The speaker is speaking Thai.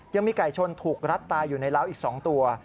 ยังมีไก่ชนถูกรัดตายอยู่ในร้าวอีก๒ตัว